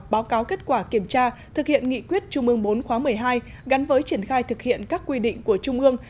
báo cáo kết quả kiểm tra thực hiện nghị quyết trung ương bốn khóa một mươi hai gắn với triển khai thực hiện các quy định của trung ương